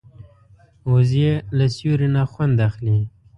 وزې له سیوري نه خوند اخلي